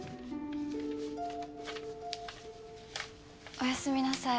おやすみなさい。